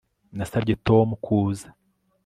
Nasabye Tom kuza